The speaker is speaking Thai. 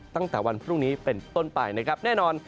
ตั้งแต่วันพรุ่งนี้เป็นต้นไปนะครับแน่นอน